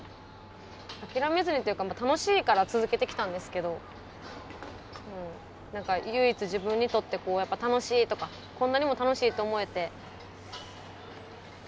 諦めずにっていうか楽しいから続けてきたんですけど何か唯一自分にとって楽しいとかこんなにも楽しいと思えてギターも苦手ですけどまだまだ。